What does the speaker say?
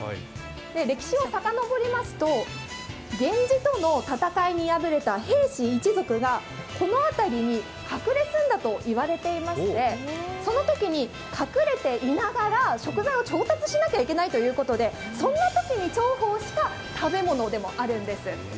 歴史をさかのぼりますと、源氏との戦いに敗れた平氏一族がこの辺りに隠れ住んだと言われていまして隠れていながら食材を調達しなければいけないということでそんなときに重宝した食べ物でもあるんです。